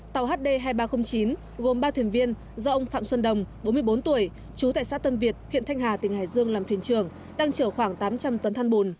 tàu hd hai nghìn ba trăm linh chín gồm ba thuyền viên do ông phạm xuân đồng bốn mươi bốn tuổi chú tại xã tân việt huyện thanh hà tỉnh hải dương làm thuyền trưởng đang chở khoảng tám trăm linh tấn than bùn